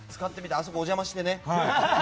あそこにお邪魔してね。